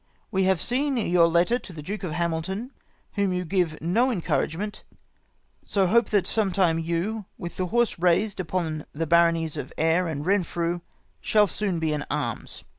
We have seen your letter to the Duke of Hamilton, whom you give no encouragement ; so hope that sometime you, with the horse raised upon the baronies of Ayr and Eenfrew, shall soon be in arms.